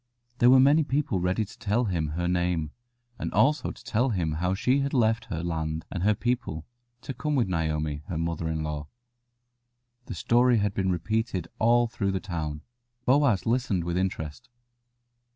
There were many people ready to tell him her name, and also to tell him how she had left her land and her people to come with Naomi, her mother in law. The story had been repeated all through the town. Boaz listened with interest.